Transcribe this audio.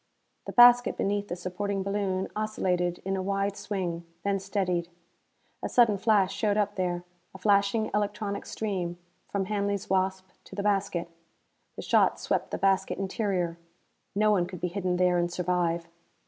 The basket beneath the supporting balloon oscillated in a wide swing, then steadied. A sudden flash showed up there a flashing electronic stream, from Hanley's Wasp to the basket. The shot swept the basket interior. No one could be hidden there and survive.